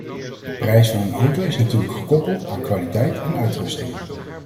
De prijs van een auto is natuurlijk gekoppeld aan kwaliteit en uitrusting.